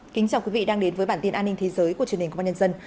chào mừng quý vị đến với bản tin an ninh thế giới của truyền hình của bản nhân dân